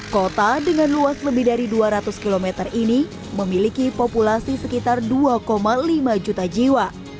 kota dengan luas lebih dari dua ratus km ini memiliki populasi sekitar dua lima juta jiwa